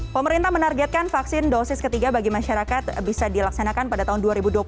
pemerintah menargetkan vaksin dosis ketiga bagi masyarakat bisa dilaksanakan pada tahun dua ribu dua puluh satu